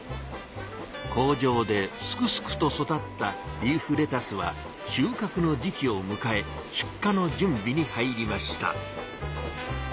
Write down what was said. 工場ですくすくと育ったリーフレタスは収穫の時期をむかえ出荷のじゅんびに入りました。